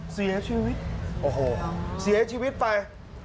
เสียชีวิตโอ้โหเสียชีวิตไป